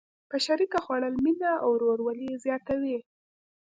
په شریکه خوړل مینه او ورورولي زیاتوي.